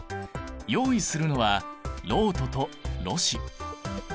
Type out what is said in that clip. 用意するのはろうととろ紙。